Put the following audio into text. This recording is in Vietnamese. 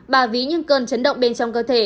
bà ví những cơn chấn động bên trong cơ thể